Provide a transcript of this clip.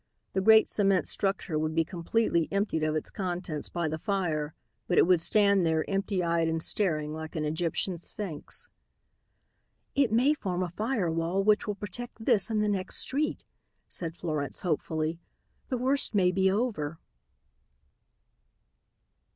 The great cement structure would be completely emptied of its contents by the fire but it would stand there empty eyed and staring like an Egyptian sphinx. "It may form a fire wall which will protect this and the next street," said Florence hopefully. "The worst may be over."